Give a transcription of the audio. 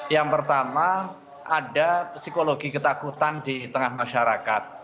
yang pertama ada psikologi ketakutan di tengah masyarakat